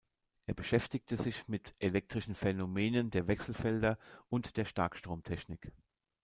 Er beschäftigte sich mit elektrischen Phänomenen der Wechselfelder und der Starkstromtechnik.